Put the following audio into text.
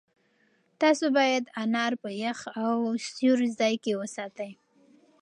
تاسو باید انار په یخ او سیوري ځای کې وساتئ.